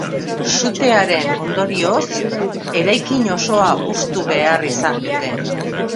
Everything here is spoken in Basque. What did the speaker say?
Sutearen ondorioz, eraikin osoa hustu behar izan dute.